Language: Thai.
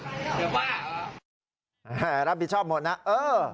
เจ็บบ้าหรือรับผิดชอบหมดนะเออ